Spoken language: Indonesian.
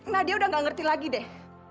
nadia sudah enggak mengerti lagi deh